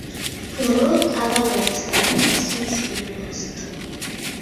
He wrote other works that have since been lost.